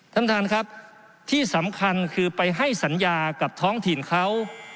ท่านประธานครับที่สำคัญคือไปให้สัญญากับท้องถิ่นเขา